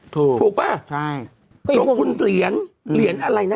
ถูกป่ะดรมคุณเหรียญ